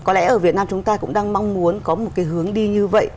có lẽ ở việt nam chúng ta cũng đang mong muốn có một cái hướng đi như vậy